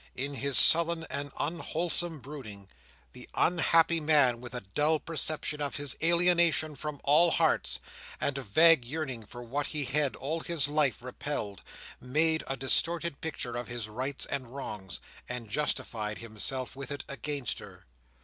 In his sullen and unwholesome brooding, the unhappy man, with a dull perception of his alienation from all hearts, and a vague yearning for what he had all his life repelled, made a distorted picture of his rights and wrongs, and justified himself with it against her.